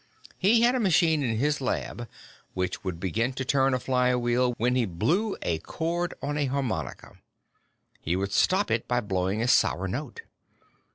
He had a machine in his lab which would begin to turn a flywheel when he blew a chord on a harmonica. He could stop it by blowing a sour note.